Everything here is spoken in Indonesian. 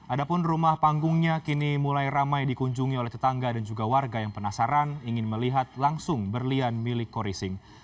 adapun rumah panggungnya kini mulai ramai dikunjungi oleh tetangga dan juga warga yang penasaran ingin melihat langsung berlian milik khori singh